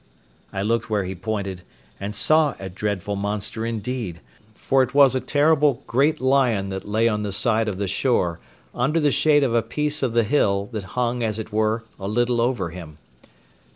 I looked where he pointed, and saw a dreadful monster indeed, for it was a terrible, great lion that lay on the side of the shore, under the shade of a piece of the hill that hung as it were a little over him.